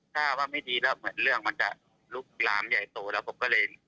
ถ้าว่าไม่ดีแล้วเหมือนเรื่องมันจะลุกลามใหญ่โตแล้วผมก็เลย